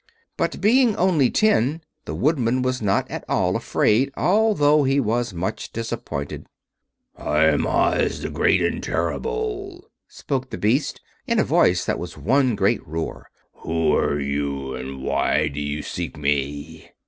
But being only tin, the Woodman was not at all afraid, although he was much disappointed. "I am Oz, the Great and Terrible," spoke the Beast, in a voice that was one great roar. "Who are you, and why do you seek me?"